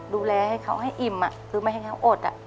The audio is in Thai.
ดูแลให้เขาให้อิ่มคือไม่ให้เขาอด